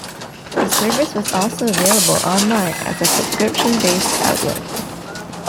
The service was also available online as a subscription-based outlet.